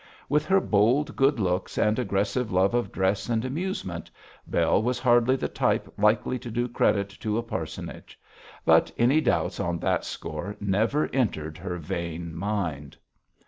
With her bold good looks and aggressive love of dress and amusement, Bell was hardly the type likely to do credit to a parsonage. But any doubts on that score never entered her vain mind.